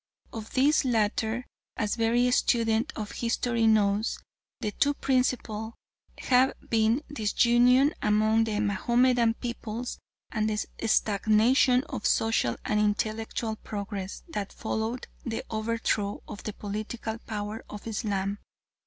Of these latter, as every student of history knows, the two principal have been disunion among the Mahomedan peoples and the stagnation of social and intellectual progress that followed the overthrow of the political power of Islam.